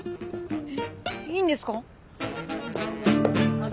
えっいいんですか？